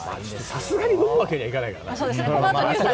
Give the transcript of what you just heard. さすがに飲むわけにはいかないな。